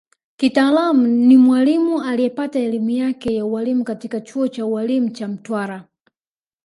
Kitaaluma ni Mwalimu liyepata elimu yake ya Ualimu katika chuo cha ualimu cha Mtwara